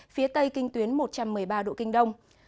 phía tây kinh tuyến một trăm một mươi ba độ kinh đông